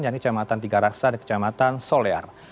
yaitu camatan tiga rasa dan kecamatan solear